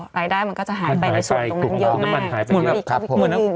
ไปได้มันก็จะหายไปส่วนตรงนั้นเยอะมาก